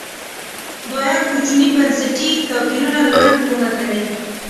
دویم کوچني بنسټي توپیرونه لنډ عمر لري